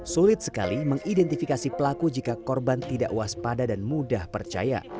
sulit sekali mengidentifikasi pelaku jika korban tidak waspada dan mudah percaya